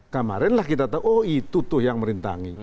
kemarin lah kita tahu oh itu tuh yang merintangi